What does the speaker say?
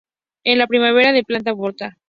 En la primavera la planta brota.